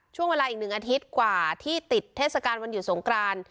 ช่วงเวลาอีก๑อาทิตย์กว่าที่ติดเทศกาลวันหยุดสงกราน